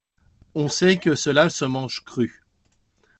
On sait que cela se mange cru.